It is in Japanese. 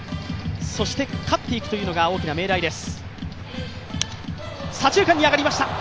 勝っていくというんが大きな命題です。